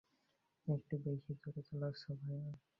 একটু বেশিই জোরে চালাচ্ছো, ভায়া।